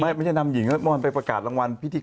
ไม่ไม่ใช่นำหญิงมันไปประกาศรางวัลพิธีกร